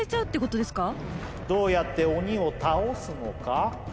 「どうやって鬼を倒すのか？」